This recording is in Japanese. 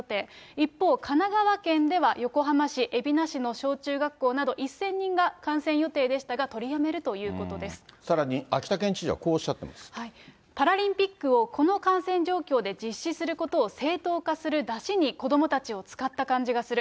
一方、神奈川県では、横浜市、海老名市の小中学校など１０００人が観戦予定でしたが、取りやめさらに秋田県知事はこうおっパラリンピックを、この感染状況で実施することを正当化するだしに、子どもたちを使った感じがする。